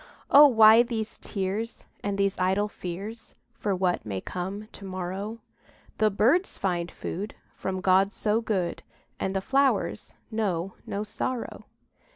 Oh, why these tears, And these idle fears For what may come to morrow? The birds find food From God so good, And the flowers know no sorrow.